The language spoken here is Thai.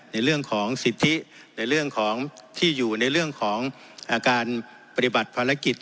ในเรื่องของสิทธิในเรื่องของที่อยู่ในเรื่องของการปฏิบัติภารกิจ